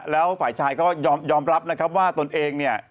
แล้วฝ่ายชายก็ยอมรับนะครับว่าตนเองเนี่ย